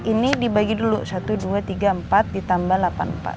ini dibagi dulu satu dua tiga empat ditambah delapan puluh empat